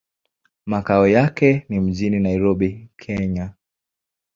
Makao yake ni mjini Nairobi, Kenya.